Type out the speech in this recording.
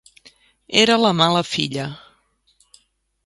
Era la mala filla.